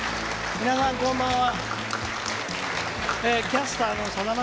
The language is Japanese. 皆さん、こんばんは。